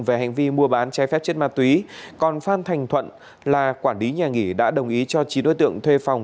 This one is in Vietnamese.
về hành vi mua bán trái phép chất ma túy còn phan thành thuận là quản lý nhà nghỉ đã đồng ý cho chín đối tượng thuê phòng